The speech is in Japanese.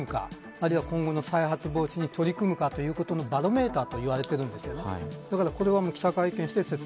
あるいは今後の再発防止に取り組むかということのバロメーターと言われているんです。